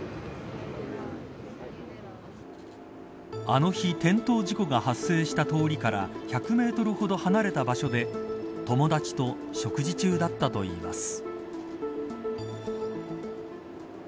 あの日、転倒事故が発生した通りから１００メートルほど離れた場所で友達と食事中だったといいます。